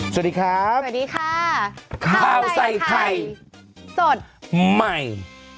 สวัสดีครับสวัสดีค่ะข้าวใส่ไข่สดใหม่